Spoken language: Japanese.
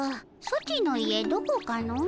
ソチの家どこかの？